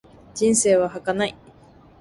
人生は儚い。